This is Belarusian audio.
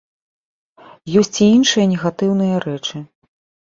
Ёсць і іншыя негатыўныя рэчы.